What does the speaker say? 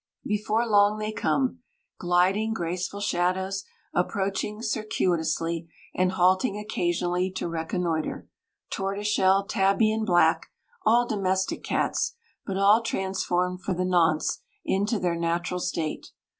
Before long they come, gliding, graceful shadows, approaching circuitously, and halting occasionally to reconnoitre tortoiseshell, tabby, and black, all domestic cats, but all transformed for the nonce into their natural state.